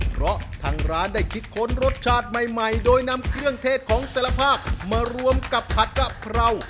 เพราะทางร้านได้คิดค้นรสชาติใหม่โดยนำเครื่องเทศของแต่ละภาคมารวมกับผัดกะเพรา